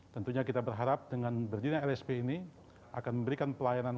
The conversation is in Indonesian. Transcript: tentunya kita berharap dengan berdirinya rsp ini akan memberikan pelayanan